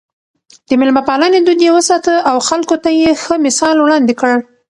د مېلمه پالنې دود يې وساته او خلکو ته يې ښه مثال وړاندې کړ.